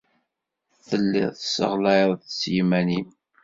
Telliḍ tesseɣlayeḍ s yiman-nnem.